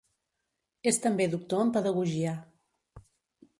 És també doctor en pedagogia.